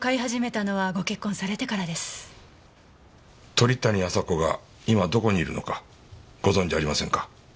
鳥谷亜沙子が今どこにいるのかご存じありませんか？